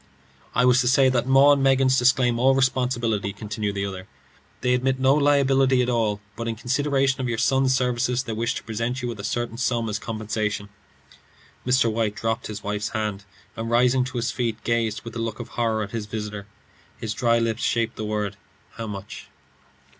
"I was to say that 'Maw and Meggins' disclaim all responsibility," continued the other. "They admit no liability at all, but in consideration of your son's services, they wish to present you with a certain sum as compensation." Mr. White dropped his wife's hand, and rising to his feet, gazed with a look of horror at his visitor. His dry lips shaped the words, "How much?"